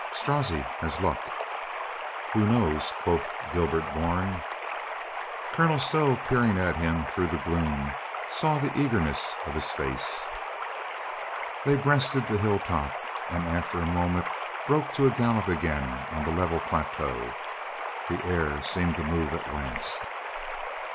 "Strozzi has luck." "Who knows?" quoth Gilbert Bourne. Colonel Stow, peering at him through the gloom, saw the eagerness of his face. They breasted the hill top and .after a moment broke to a gallop again on the level plateau. The air seemed to move at last.